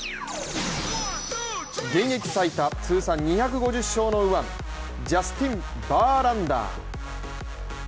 現役最多通算２５０勝の右腕ジャスティン・バーランダー。